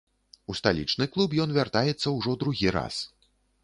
У сталічны клуб ён вяртаецца ўжо другі раз.